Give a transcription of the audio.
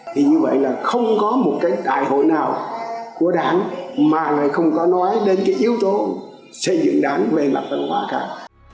thì như vậy là không có một cái đại hội nào của đảng mà lại không có nói đến cái yếu tố xây dựng đảng về mặt văn hóa cả